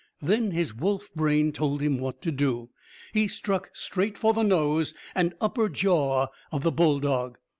Then his wolf brain told him what to do. He struck straight for the nose and upper jaw of the bulldog.